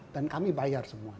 dan kami bayar semua